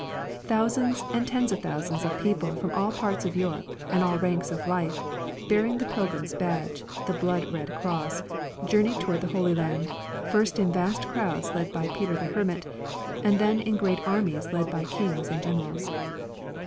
Thousands and tens of thousands of people from all parts of Europe and all ranks of life, bearing the pilgrim's badge — the blood red cross, — journeyed toward the Holy Land, first in vast crowds led by 1096 1291. Peter the Hermit, then in great armies led by kings and generals.